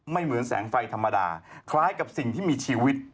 เหมือนแสงไฟธรรมดาคล้ายกับสิ่งที่มีชีวิต